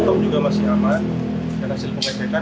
top juga masih aman dan hasil pengecekan